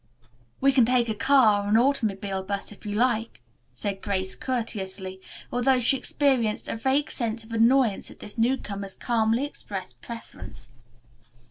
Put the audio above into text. "We can take a car or an automobile bus if you like," said Grace courteously, although she experienced a vague sense of annoyance at this newcomer's calmly expressed preference.